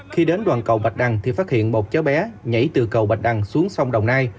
khi đến đoàn cầu bạch đăng thì phát hiện một cháu bé nhảy từ cầu bạch đăng xuống sông đồng nai